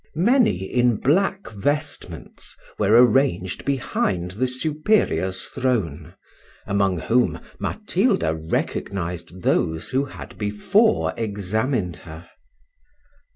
Many, in black vestments, were arranged behind the superior's throne; among whom Matilda recognised those who had before examined her.